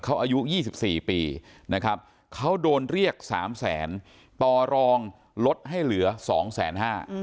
เขาอายุ๒๔ปีนะครับเขาโดนเรียก๓แสนต่อรองลดให้เหลือสองแสนห้า